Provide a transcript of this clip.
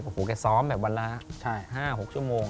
โอ้โหแกซ้อมแบบวันละ๕๖ชั่วโมง